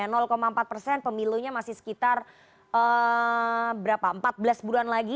selain itu partai partai yang lainnya masih sekitar empat belas bulan lagi